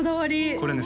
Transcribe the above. これね